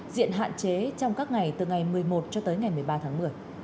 diện hạn chế trong các ngày từ ngày một mươi một cho tới ngày một mươi ba tháng một mươi